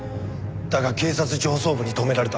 だが警察上層部に止められた。